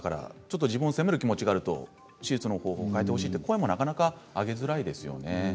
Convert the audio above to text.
自分を責める気持ちがあると手術の方法を変えてほしいという声もなかなか上げづらいですよね。